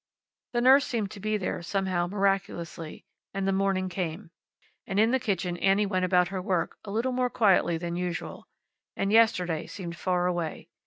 The nurse seemed to be there, somehow, miraculously. And the morning came. And in the kitchen Annie went about her work, a little more quietly than usual. And yesterday seemed far away.